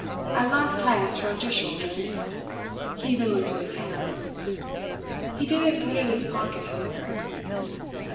At last Heyst shrugged his shoulders; he even looked at his hand. He didn't put it in his pocket, however.